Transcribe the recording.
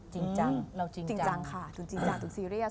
จริงจังเราจริงจังค่ะจริงจังตูนซีเรียส